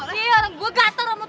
nih orang gue gator rambut gue